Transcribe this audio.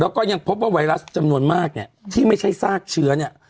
แล้วก็ยังพบว่าไวรัสจำนวนมากเนี่ยที่ไม่ใช่ซากเชื้อเนี่ย